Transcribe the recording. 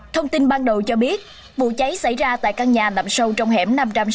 thông tin ban đầu cho biết vụ cháy xảy ra tại căn nhà nằm sâu trong hẻm năm trăm sáu mươi